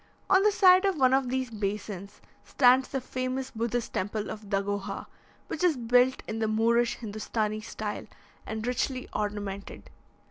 On the side of one of these basins, stands the famous Buddhist temple of Dagoha, which is built in the Moorish Hindostanee style, and richly ornamented.